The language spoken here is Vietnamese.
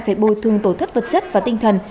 phải bồi thương tổ thất vật chất và tinh thần